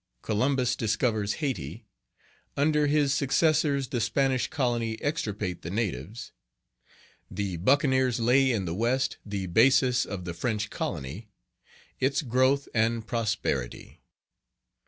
Columbus discovers Hayti Under his successors, the Spanish colony extirpate the natives The Buccaneers lay in the West the basis of the French colony Its growth and prosperity.